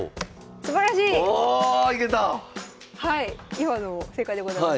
今のも正解でございます。